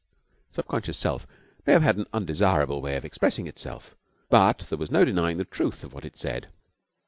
Subconscious Self may have had an undesirable way of expressing itself, but there was no denying the truth of what it said.